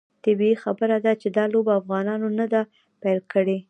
طبیعي خبره ده چې دا لوبه افغانانو نه ده پیل کړې.